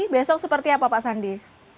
besok seperti apa pak sandi